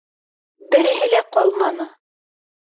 Береһе лә ҡалманы.